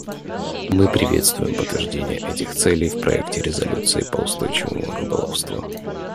Мы приветствуем подтверждение этих целей в проекте резолюции по устойчивому рыболовству.